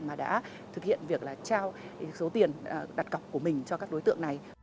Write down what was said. mà đã thực hiện việc là trao số tiền đặt cọc của mình cho các đối tượng này